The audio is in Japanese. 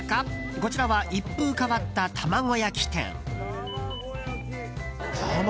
こちらはひと味変わった卵焼き店。